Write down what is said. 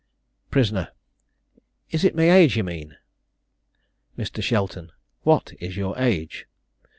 Prisoner. Is it my age you mean? Mr. Shelton. What is your age?